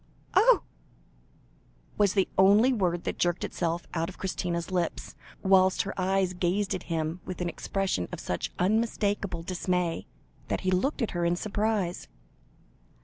"Oh!" was the only word that jerked itself out of Christina's lips, whilst her eyes gazed at him with an expression of such unmistakable dismay, that he looked at her in surprise.